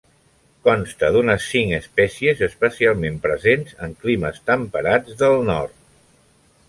Consta d'unes cinc espècies especialment presents en climes temperats del nord.